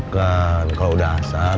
kalau udah asar